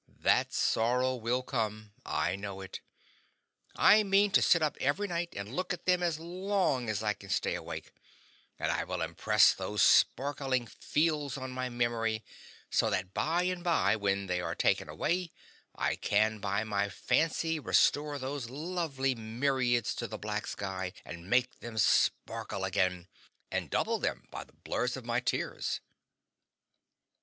That sorrow will come I know it. I mean to sit up every night and look at them as long as I can keep awake; and I will impress those sparkling fields on my memory, so that by and by when they are taken away I can by my fancy restore those lovely myriads to the black sky and make them sparkle again, and double them by the blur of my tears.